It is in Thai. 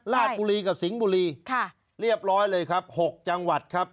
ราชบุรีกับสิงห์บุรีเรียบร้อยเลยครับ๖จังหวัดครับ